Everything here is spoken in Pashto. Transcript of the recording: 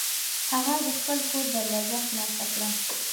هغه د خپل کور دروازه خلاصه کړه.